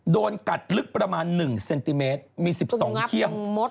โดนกัดลึกประมาณ๑เซนติเมตรมี๑๒เขี้ยม